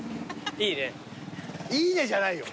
「いいね」じゃないよ。